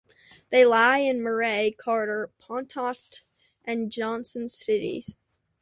They lie in Murray, Carter, Pontotoc, and Johnston counties.